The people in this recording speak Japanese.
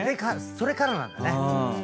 それからなんだね。